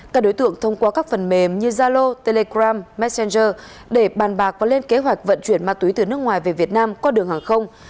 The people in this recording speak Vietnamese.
các đối tượng thông qua các phần mềm như zalo telegram messenger để bàn bạc và lên kế hoạch vận chuyển ma túy từ nước ngoài về việt nam qua đường hàng không